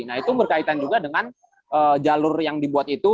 nah itu berkaitan juga dengan jalur yang dibuat itu